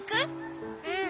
うん。